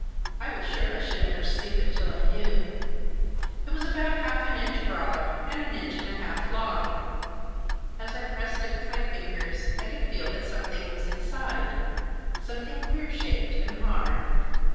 I was sure I should never sleep until I knew. It was about half an inch broad, and an inch and a half long. As I pressed it with my fingers, I could feel that something was inside, something queer shaped and hard.